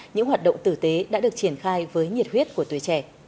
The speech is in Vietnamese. những hoạt động tử tế đã được triển khai với nhiệt huyết của tuổi trẻ